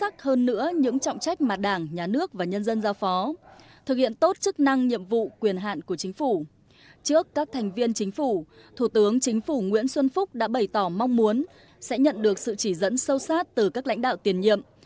thủ tướng chính phủ nguyễn xuân phúc đã bày tỏ mong muốn sẽ nhận được sự chỉ dẫn sâu sát từ các lãnh đạo tiền nhiệm